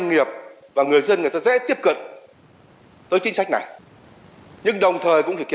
nhưng đồng thời cũng phải kiểm soát thật chặt chẽ cái nguồn vốn cho vay